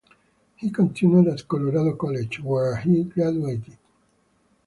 He continued at Colorado College, where he graduated.